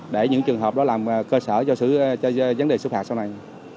để những trường hợp đó làm cơ sở cho vấn đề xúc phạt sau này